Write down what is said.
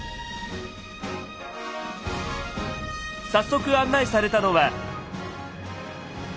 早速案内されたのは。